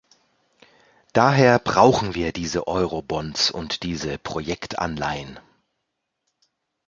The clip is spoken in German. Daher brauchen wir diese Eurobonds und diese Projektanleihen.